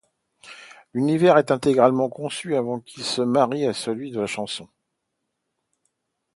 L'univers est intégralement conçu afin qu'il se marie à celui de la chanson.